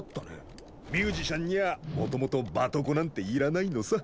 ミュージシャンにゃもともとバトコなんて要らないのさ。